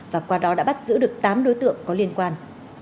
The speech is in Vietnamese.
và qua đó đã bắt giữ được tám đối tượng có liên quan